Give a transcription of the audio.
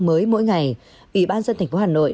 mới mỗi ngày ủy ban dân thành phố hà nội